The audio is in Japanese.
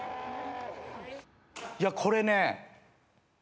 いやこれね。